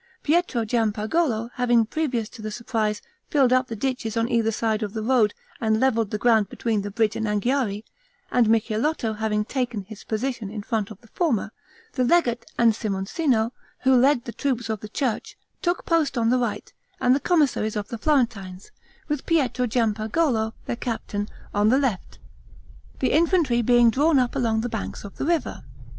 Pietro Giampagolo having previous to the surprise, filled up the ditches on either side of the road, and leveled the ground between the bridge and Anghiari, and Micheletto having taken his position in front of the former, the legate and Simoncino, who led the troops of the church, took post on the right, and the commissaries of the Florentines, with Pietro Giampagolo, their captain, on the left; the infantry being drawn up along the banks of the river.